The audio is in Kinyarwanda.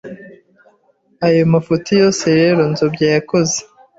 Ayo mafuti yose rero Nzobya yakoze